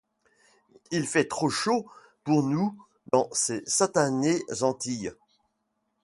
Il fait trop chaud pour nous dans ces satanées Antilles...